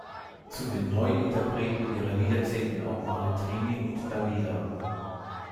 Zu den Neu-Interpreten ihrer Lieder zählten auch Mari Trini und Dalida.